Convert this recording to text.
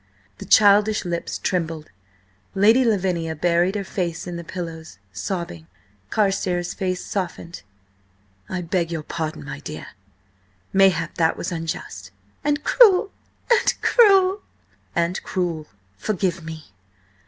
The childish lips trembled. Lady Lavinia buried her face in the pillows, sobbing. Carstares' face softened. "I beg your pardon, my dear. Mayhap that was unjust." "And cruel! And cruel!" "And cruel. Forgive me."